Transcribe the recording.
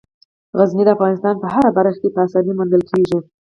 غزني د افغانستان په هره برخه کې په اسانۍ موندل کېږي.